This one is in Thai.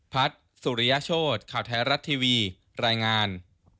พัฒน์สุริยโชธข่าวไทยรัฐทีวีรายงาน